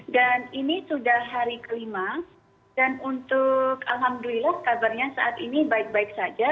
dan ini sudah hari kelima dan untuk alhamdulillah kabarnya saat ini baik baik saja